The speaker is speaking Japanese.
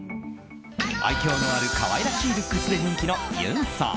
愛嬌のある可愛らしいルックスで人気のゆんさん。